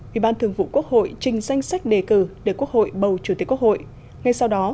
ủy ban thường vụ quốc hội trình danh sách đề cử để quốc hội bầu chủ tịch quốc hội ngay sau đó